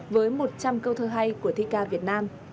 với một trăm linh câu thơ hay của thi ca việt nam